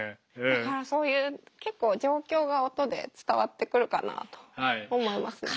だからそういう結構状況が音で伝わってくるかなと思いますね。